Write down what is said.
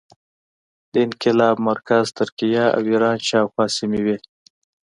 د انقلاب مرکز ترکیه او ایران شاوخوا سیمې وې.